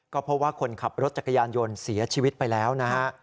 ก็เพราะว่าคนขับรถจักรยานยนต์เสียชีวิตไปแล้วนะฮะ